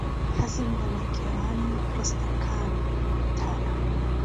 حەزم لە وەرگێڕانی ڕستەکانتانە.